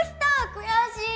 悔しい！